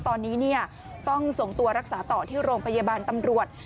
ตอนนี้ต้องส่งตัวรักษาต่อที่โรงพยาบาลตำรวจ